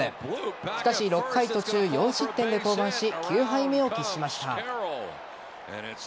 しかし、６回途中４失点で降板し９敗目を喫しました。